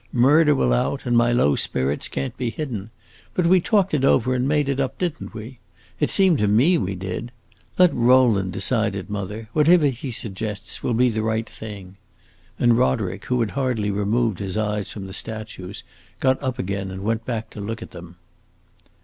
Murder will out, and my low spirits can't be hidden. But we talked it over and made it up, did n't we? It seemed to me we did. Let Rowland decide it, mother; whatever he suggests will be the right thing." And Roderick, who had hardly removed his eyes from the statues, got up again and went back to look at them.